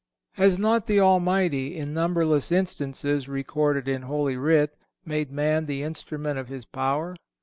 Has not the Almighty, in numberless instances recorded in Holy Writ, made man the instrument of His power?